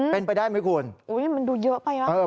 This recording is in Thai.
เป็นไปได้ไหมคุณ